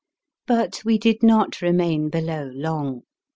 But we did not remain below long.